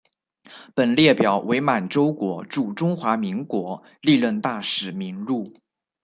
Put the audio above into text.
本列表为满洲国驻中华民国历任大使名录。